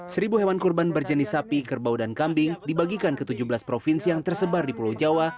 seribu hewan kurban berjenis sapi kerbau dan kambing dibagikan ke tujuh belas provinsi yang tersebar di pulau jawa